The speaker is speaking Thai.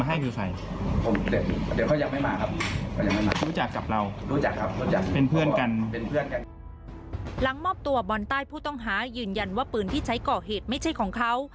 มอบตัวบอลใต้ผู้ต้องหายืนยันว่าปืนที่ใช้ก่อเหตุไม่ใช่ของเขา